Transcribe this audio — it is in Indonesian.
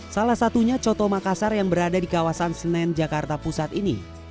salah satunya coto makassar yang berada di kawasan senen jakarta pusat ini